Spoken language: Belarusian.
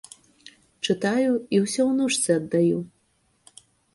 Чытаю і ўсё унучцы аддаю.